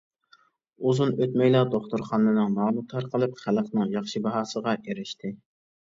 ئۇزۇن ئۆتمەيلا دوختۇرخانىنىڭ نامى تارقىلىپ، خەلقنىڭ ياخشى باھاسىغا ئېرىشتى.